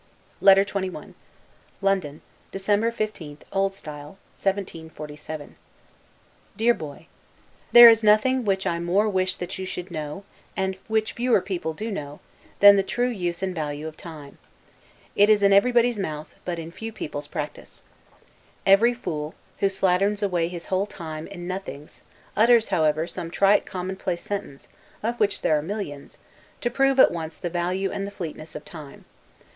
LETTER XXI LONDON, December 15, O. S. 1747 DEAR Boy: There is nothing which I more wish that you should know, and which fewer people do know, than the true use and value of time. It is in everybody's mouth; but in few people's practice. Every fool, who slatterns away his whole time in nothings, utters, however, some trite commonplace sentence, of which there are millions, to prove, at once, the value and the fleetness of time.